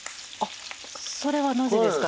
それはなぜですか？